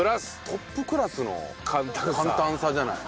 トップクラスの簡単さじゃない？